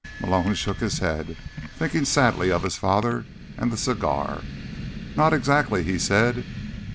Malone shook his head, thinking sadly of his father and the cigar. "Not exactly," he said.